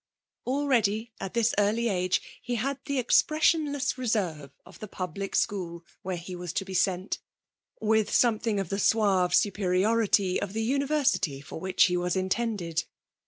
Already at this early age he had the expressionless reserve of the public school where he was to be sent, with something of the suave superiority of the university for which he was intended.